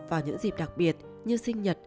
vào những dịp đặc biệt như sinh nhật